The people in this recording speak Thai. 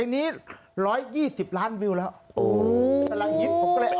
เออเป็นนี้๑๒๐ล้านวิวแล้ว